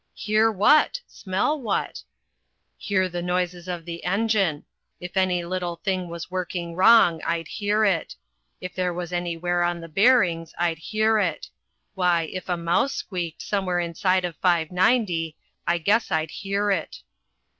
"Hear what? Smell what?" "Hear the noises of the engine. If any little thing was working wrong, I'd hear it. If there was any wear on the bearings, I'd hear it. Why, if a mouse squeaked somewhere inside of 590, I guess I'd hear it."